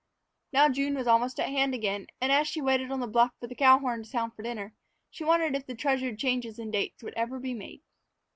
Now, June was almost at hand again, and, as she waited on the bluff for the cow horn to sound the call for dinner, she wondered if the treasured change in dates would ever be made.